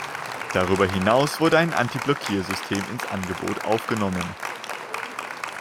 Darüber hinaus wurde ein Antiblockiersystem ins Angebot aufgenommen.